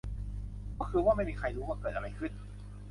ก็คือว่า ไม่มีใครรู้ว่าเกิดอะไรขึ้น